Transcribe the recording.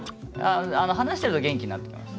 話してると元気になってきます。